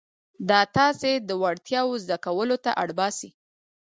دا تاسې د وړتیاوو زده کولو ته اړ باسي.